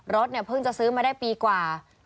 รถเพิ่งจะซื้อมาได้ปีกว่า